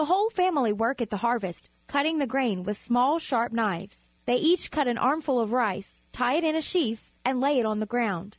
whole family work at the harvest, cutting the grain with small, sharp knives. They each cut an armful of rice, tie it in a sheaf, and lay it on the ground.